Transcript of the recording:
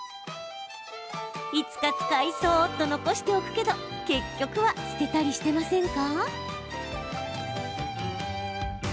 いつか使いそうと残しておくけど結局は捨てたりしてませんか？